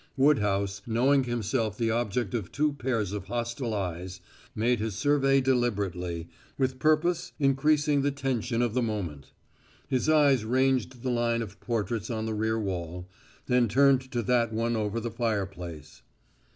Woodhouse, knowing himself the object of two pairs of hostile eyes, made his survey deliberately, with purpose increasing the tension of the moment. His eyes ranged the line of portraits on the rear wall, then turned to that one over the fireplace.